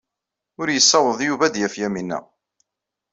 Ur yessaweḍ Yuba ad d-yaf Yamina.